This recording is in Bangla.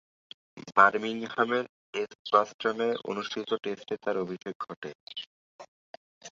বার্মিংহামের এজবাস্টনে অনুষ্ঠিত টেস্টে তার অভিষেক ঘটে।